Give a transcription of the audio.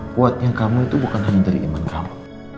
kuatnya kamu itu bukan hanya dari iman kamu